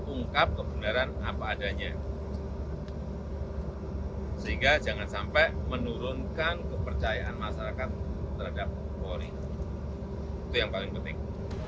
ungkap kebenaran apa adanya sehingga jangan sampai menurunkan kepercayaan masyarakat terhadap polri itu yang paling penting